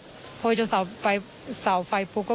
ส่วนรถที่นายสอนชัยขับอยู่ระหว่างการรอให้ตำรวจสอบ